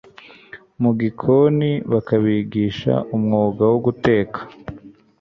mu gikoni, bakabigisha umwuga wo guteka.